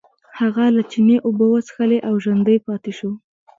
هغه له چینې اوبه وڅښلې او ژوندی پاتې شو.